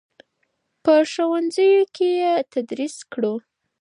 په ښوونځیو کې یې تدریس کړو.